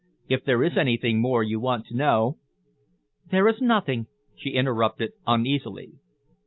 "If there is anything more you want to know " "There is nothing," she interrupted uneasily.